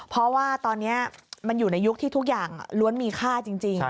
เพราะว่าตอนนี้มันอยู่ในยุคที่ทุกอย่างล้วนมีค่าจริง